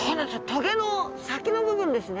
棘の先の部分ですね。